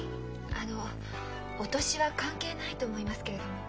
あのお年は関係ないと思いますけれども。